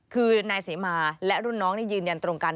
คือนายเสมาและรุ่นน้องยืนยันตรงกัน